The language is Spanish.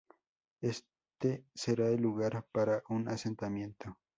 Este será el lugar para un asentamiento".